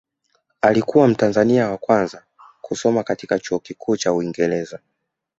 Alikuwa mtanzania wa kwanza kusoma katika chuo kikuu cha Uingereza